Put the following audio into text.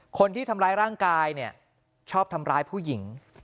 คนที่ทำร้ายร่างกายเนี่ยชอบทำร้ายผู้หญิง